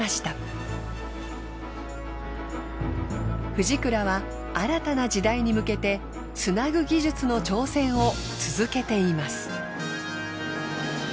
フジクラは新たな時代に向けてつなぐ技術の挑戦を続けています。